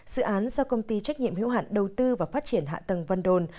dự án do công ty trách nhiệm hữu hạn đầu tư và phát triển hạ tầng vân đồn